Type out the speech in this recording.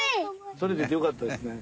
とれててよかったですね。